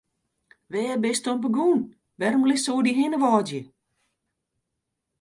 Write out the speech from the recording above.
Wêr bist oan begûn, wêrom litst sa oer dy hinne wâdzje?